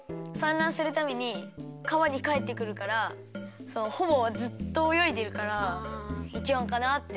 らんするためにかわにかえってくるからほぼずっとおよいでるから１ばんかなって。